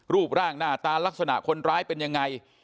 รูปร่างหน้าตาลักษณะคนร้ายเป็นยังไง